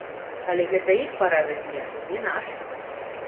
Але гэта іх парадак дня, не наш.